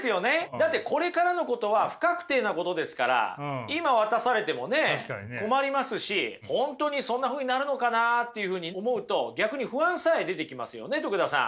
だってこれからのことは不確定なことですから今渡されてもね困りますし本当にそんなふうになるのかなっていうふうに思うと逆に不安さえ出てきますよね徳田さん。